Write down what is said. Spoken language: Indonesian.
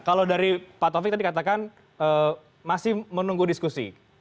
kalau dari pak taufik tadi katakan masih menunggu diskusi